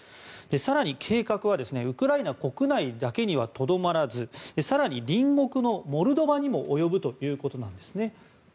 更に、計画はウクライナ国内だけではとどまらず更に隣国のモルドバにも及ぶということなんです。